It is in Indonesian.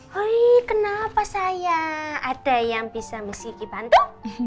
hai kenapa sayang ada yang bisa miss kiki bantu